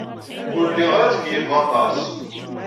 Ur lliɣ ara ttkeyyifeɣ aṭas.